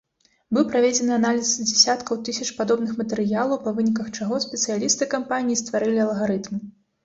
Быў праведзены аналіз дзясяткаў тысяч падобных матэрыялаў, па выніках чаго спецыялісты кампаніі стварылі алгарытм.